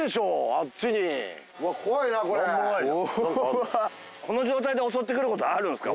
あっちにこの状態で襲ってくることあるんですか？